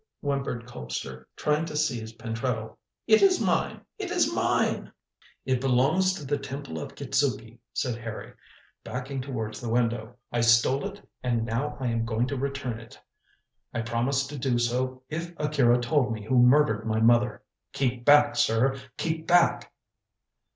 whimpered Colpster, trying to seize Pentreddle. "It is mine! it is mine!" "It belongs to the Temple of Kitzuki," said Harry, backing towards the window. "I stole it and now I am going to return it. I promised to do so, if Akira told me who murdered my mother. Keep back, sir! keep back!"